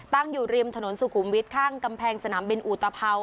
ตั้งอยู่ริมถนนสุขุมวิทย์ข้างกำแพงสนามบินอุตภัว